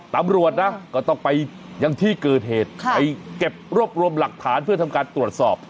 ตำรวจนะก็ต้องไปยังที่เกิดเหตุไปเก็บรวบรวมหลักฐานเพื่อทำการตรวจสอบ